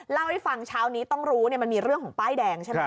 เล่าให้ฟังเช้านี้ต้องรู้มันมีเรื่องของป้ายแดงใช่ไหม